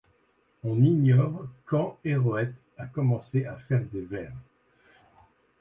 On ignore quand Héroët a commencé à faire des vers.